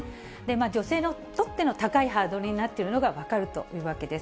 女性にとっての高いハードルになっているのが分かるというわけです。